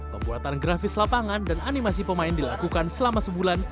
pembuatan grafis lapangan dan animasi pemain dilakukan selama sebulan